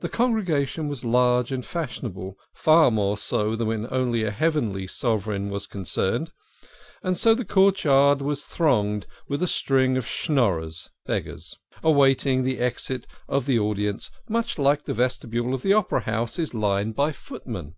The congregation was large and fashionable far more so than when only a heavenly sovereign was con cerned and so the courtyard was thronged with a string of Schnorrers (beggars), awaiting the exit of the audience, much as the vestibule of the opera house is lined by footmen.